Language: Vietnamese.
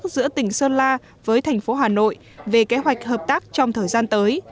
giữa tỉnh sơn la với thành phố hà nội về kế hoạch hợp tác trong thời gian tới